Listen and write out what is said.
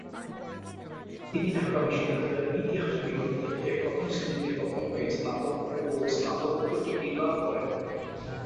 তিনি ঢাকা বিশ্ববিদ্যালয়ের ইতিহাস বিভাগ থেকে প্রথম শ্রেণীতে প্রথম হয়ে স্নাতক ও স্নাতকোত্তর ডিগ্রি লাভ করেন।